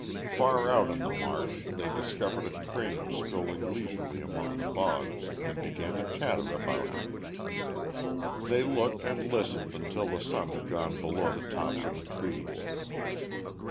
Far out on the marsh they discovered a crane strolling leisurely among the bogs, and began to chatter about him. They looked and listened until the sun had gone below the tops of the trees.